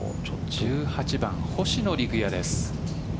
１８番、星野陸也です。